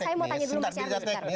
kita saya mau tanya dulu mas yana